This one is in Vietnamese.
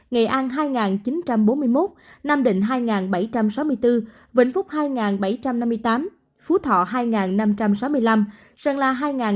nghệ an hai chín trăm bốn mươi một nam định hai bảy trăm sáu mươi bốn vĩnh phúc hai bảy trăm năm mươi tám phú thọ hai năm trăm sáu mươi năm sơn la hai năm trăm linh chín